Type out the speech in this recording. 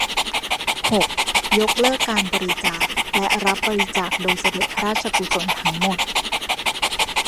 หก ยกเลิกการบริจาคและรับบริจาคโดยเสด็จพระราชกุศลทั้งหมด